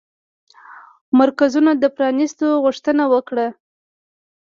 مرکزونو د پرانيستلو غوښتنه وکړه